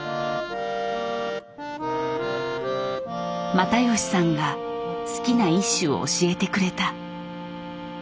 又吉さんが好きな一首を教えてくれた。